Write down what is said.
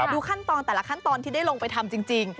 ดูขั้นตอนแต่ละขั้นตอนที่ได้ลงไปทำจริง